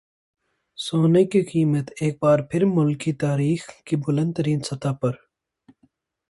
سونے کی قیمت ایک بار پھر ملکی تاریخ کی بلند ترین سطح پر